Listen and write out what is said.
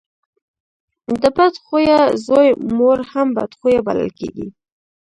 د بد خويه زوی مور هم بد خويه بلل کېږي.